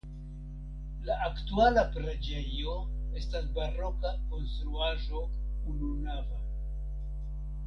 La aktuala preĝejo estas baroka konstruaĵo ununava.